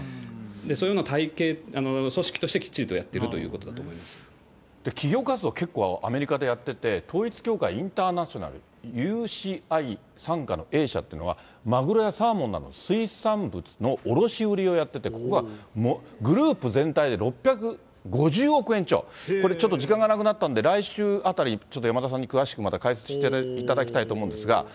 そういうような組織としてきちんとやっているということだと思い企業活動、結構アメリカでやってて、統一教会インターナショナル・ＵＣＩ傘下のＡ社というのは、マグロやサーモンなど、水産物の卸売りをやってて、ここがグループ全体で６５０億円超、これ、ちょっと時間がなくなったんで、来週あたり、ちょっと山田さんに詳しく解説していただきたいと思うんですが。